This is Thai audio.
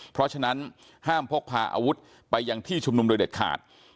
เพราะฉะนั้นห้ามพกพาอาวุธไปยังที่ชุมนุมโดยเด็ดขาด